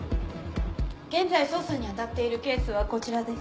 現在捜査に当たっているケースはこちらです。